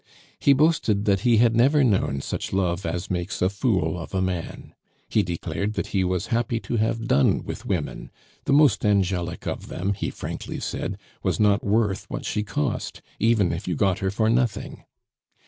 He boasted that he had never known such love as makes a fool of a man. He declared that he was happy to have done with women; the most angelic of them, he frankly said, was not worth what she cost, even if you got her for nothing.